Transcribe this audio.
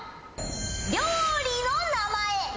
料理の名前。